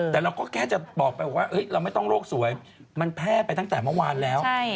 แต่เราก็แค่จะบอกไปว่าเราไม่ต้องโรคสวยมันแพร่ไปตั้งแต่เมื่อวานแล้ว